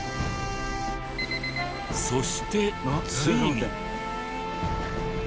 そしてついに。